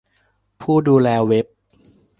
ผู้ดูแลเว็บ